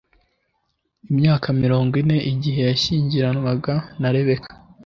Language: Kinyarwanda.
imyaka mirongo ine igihe yashyingiranwaga na Rebeka